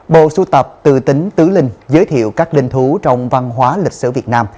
bộ sưu tập từ tính tứ linh giới thiệu các linh thú trong văn hóa lịch sử việt nam